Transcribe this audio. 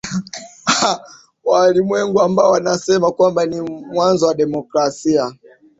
aah waulimwengu ambao wanasema kwamba ni mwanzo wa demokrasia